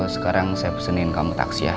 sekarang saya pesanin kamu taksi ya